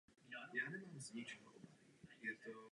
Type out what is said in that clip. V současné době je toto řízeno prostřednictvím různých programů.